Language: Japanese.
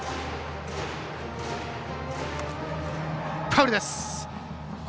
ファウルです。